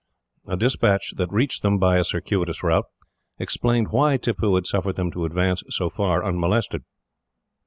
A despatch that reached them, by a circuitous route, explained why Tippoo had suffered them to advance so far unmolested.